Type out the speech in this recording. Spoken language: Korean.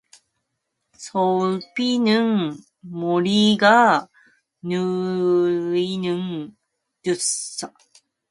선비는 머리가 눌리는 듯한 부끄러움에 얼굴을 들지 못하고 언제까지나 가만히 있었다.